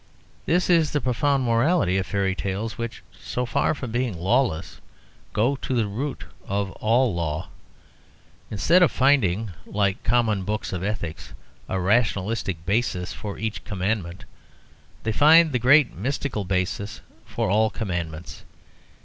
This is the profound morality of fairy tales; which, so far from being lawless, go to the root of all law. Instead of finding (like common books of ethics) a rationalistic basis for each Commandment, they find the great mystical basis for all Commandments.